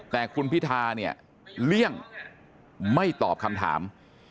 แต่คุณพิธาเนี่ยเลี่ยงไม่ตอบคำถาม